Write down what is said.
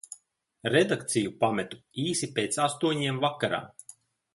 Redakciju pametu īsi pēc astoņiem vakarā.